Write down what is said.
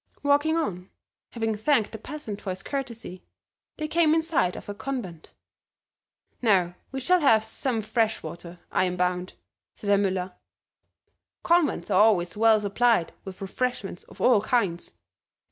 Walking on, having thanked the peasant for his courtesy, they came in sight of a convent. "Now we shall have some fresh water, I am bound," said Herr Müller. "Convents are always well supplied with refreshments of all kinds."